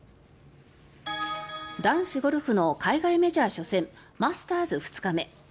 男子ゴルフの海外メジャー初戦マスターズ２日目。